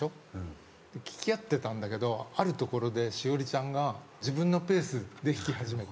聴き合ってたんだけどあるところでしおりちゃんが自分のペースで弾き始めた。